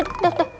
ah giginya kuat